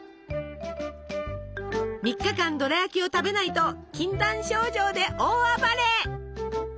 ３日間ドラやきを食べないと禁断症状で大暴れ！